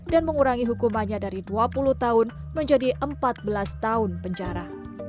dan mengurangi hukumannya dari dua puluh tahun menjadi empat belas tahun penjara